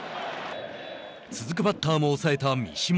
続くバッターも抑えた三嶋。